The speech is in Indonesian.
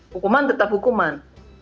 hukuman tetap hukuman